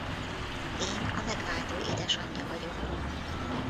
Én a Megváltó Édesanyja vagyok.